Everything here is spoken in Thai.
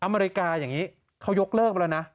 อเมริกาอย่างนี้เขายกเลิกไปแล้วนะ